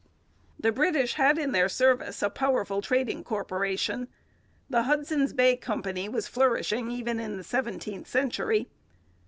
The British had in their service a powerful trading corporation. The Hudson's Bay Company was flourishing even in the seventeenth century.